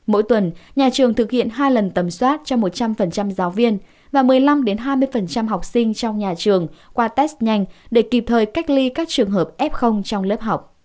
mỗi tuần nhà trường thực hiện hai lần tầm soát cho một trăm linh giáo viên và một mươi năm hai mươi học sinh trong nhà trường qua test nhanh để kịp thời cách ly các trường hợp f trong lớp học